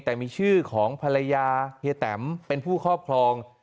แต่มีชื่อของภรรยาเฮียแตมเป็นผู้ครอบครอง